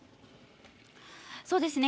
そうですね。